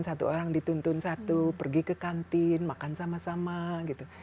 satu orang dituntun satu pergi ke kantin makan sama sama gitu